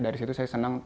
dari situ saya senang